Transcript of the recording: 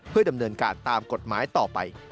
เพื่อดำเนินการตามกฎหมายต่อไป